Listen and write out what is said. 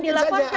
saya lakukan saja